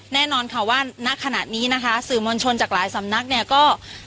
แน่นอนค่ะว่าณขณะนี้นะคะสื่อมวลชนจากหลายสำนักเนี่ยก็